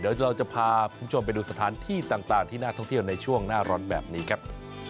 เดี๋ยวเราจะพาคุณผู้ชมไปดูสถานที่ต่างที่น่าท่องเที่ยวในช่วงหน้าร้อนแบบนี้ครับ